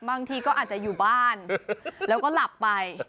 บางทีก็อาจจะอยู่บ้านแล้วก็หลับไป